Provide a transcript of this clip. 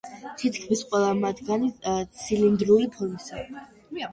თითქმის ყველა მათგანი ცილინდრული ფორმისაა.